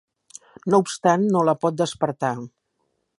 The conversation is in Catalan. No obstant, no la pot despertar.